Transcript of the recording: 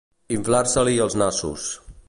Inflar-se-li els nassos.